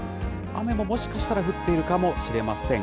雨ももしかしたら降っているかもしれません。